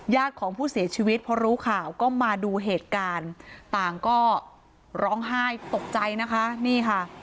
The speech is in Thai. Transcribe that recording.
ของผู้เสียชีวิตพอรู้ข่าวก็มาดูเหตุการณ์ต่างก็ร้องไห้ตกใจนะคะนี่ค่ะ